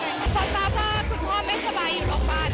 พอทราบว่าคุณพ่อไม่สบายอยู่โรงพยาบาล